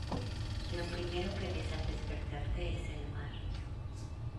lo primero que ves al despertarte es el mar.